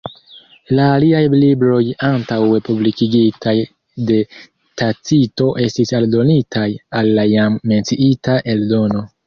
La aliaj libroj antaŭe publikigitaj de Tacito estis aldonitaj al la jam menciita eldono.